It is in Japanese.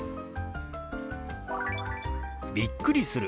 「びっくりする」。